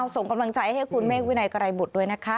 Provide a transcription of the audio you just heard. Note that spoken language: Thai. ส่งกำลังใจให้คุณเมฆวินัยไกรบุตรด้วยนะคะ